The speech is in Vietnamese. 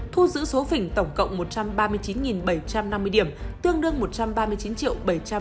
thu giữ số phỉnh tổng cộng một trăm ba mươi chín bảy trăm năm mươi điểm tương đương một trăm ba mươi chín triệu bảy trăm linh